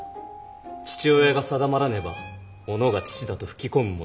父親が定まらねば己が父だと吹き込む者